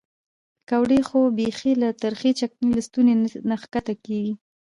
پیکورې خو بیخي له ترخې چکنۍ له ستوني نه ښکته کېږي.